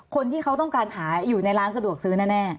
คนที่เขาต้องการหาอยู่ในร้านสะดวกซื้อแน่